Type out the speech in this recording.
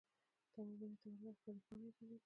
تواب ونې ته ورغئ خړې پاڼې يې درلودې.